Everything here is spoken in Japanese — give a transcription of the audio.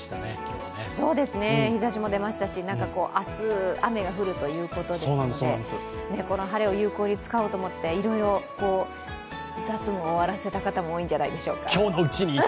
日ざしも出ましたし、明日、雨が降るということですので、この晴れを有効に使おうと思って雑務を終わらせた人も多いんじゃないでしょうか。